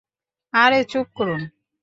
আরে চুপ করুন।